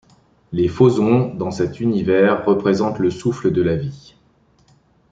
Les phozons, dans cet univers, représentent le souffle de la vie.